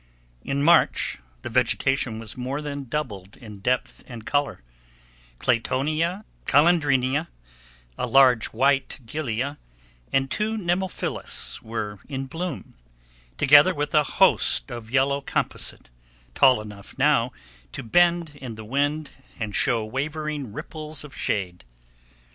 In March, the vegetation was more than doubled in depth and color; claytonia, calandrinia, a large white gilia, and two nemophilas were in bloom, together with a host of yellow composite, tall enough now to bend in the wind and show wavering ripples of shade.